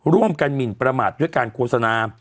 ๑ร่วมกันหมิ่นประมาทด้วยการโฆษณา